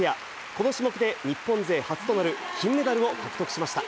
この種目で日本勢初となる金メダルを獲得しました。